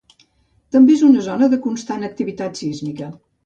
També és en una zona de constant activitat sísmica.